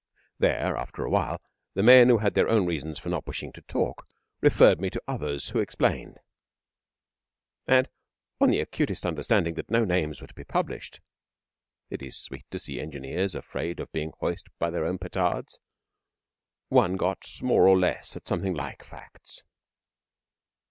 There, after a while, the men who had their own reasons for not wishing to talk referred me to others who explained, and on the acutest understanding that no names were to be published (it is sweet to see engineers afraid of being hoist by their own petards) one got more or less at something like facts.